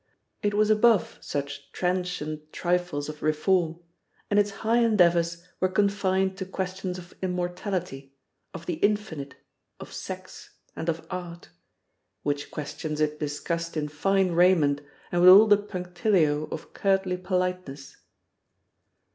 It was above such transient trifles of reform, and its high endeavours were confined to questions of immortality, of the infinite, of sex, and of art: which questions it discussed in fine raiment and with all the punctilio of courtly politeness.